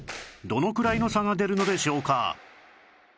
どのくらいの差が出るのでしょうか